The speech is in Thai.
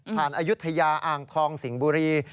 ผ่านอยุธยาอ่างทองสิงบุรี